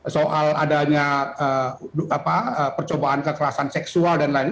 soal adanya percobaan kekerasan seksual dan lain lain